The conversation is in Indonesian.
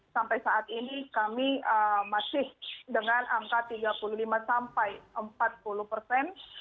sampai saat ini kami masih dengan angka tiga puluh lima sampai empat puluh persen